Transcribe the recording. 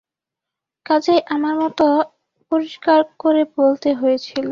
কাজেই আমার মত পরিষ্কার করে বলতে হয়েছিল।